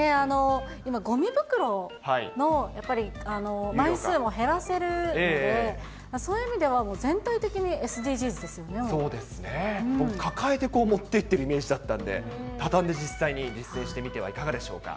今、ごみ袋のやっぱり枚数も減らせるので、そういう意味では、そうですね、僕、抱えてこう持って行ってるイメージだったので、畳んで実際に実践してみてはいかがでしょうか。